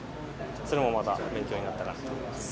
それもまた勉強になったかなと思います。